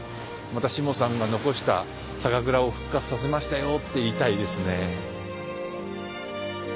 またしもさんが残した酒蔵を復活させましたよって言いたいですね。